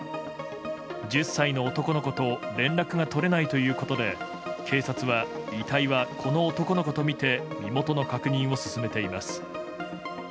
１０歳の男の子と連絡が取れないということで警察は、遺体はこの男の子とみて身元の確認を進めています。